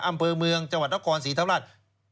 อำเภอเมืองจังหวัดนครศรีธรรมราช